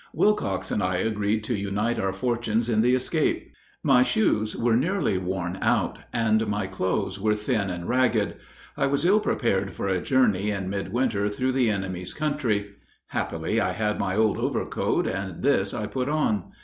Wilcox and I agreed to unite our fortunes in the escape. My shoes were nearly worn out, and my clothes were thin and ragged. I was ill prepared for a journey in midwinter through the enemy's country: happily I had my old overcoat, and this I put on.